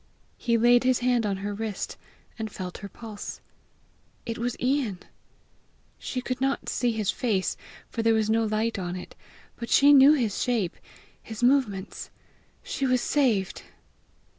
He laid his hand on her wrist, and felt her pulse. It was Ian! She could not see his face for there was no light on it, but she knew his shape, his movements! She was saved!